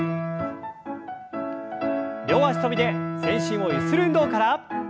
両脚跳びで全身をゆする運動から。